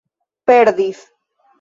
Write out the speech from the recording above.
perdis